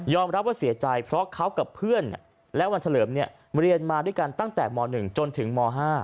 รับว่าเสียใจเพราะเขากับเพื่อนและวันเฉลิมเรียนมาด้วยกันตั้งแต่ม๑จนถึงม๕